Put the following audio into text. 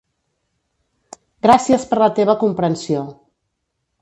Gràcies per la teva comprensió.